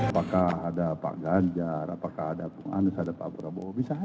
apakah ada pak ganjar apakah ada pak anus ada pak prabowo bisa saja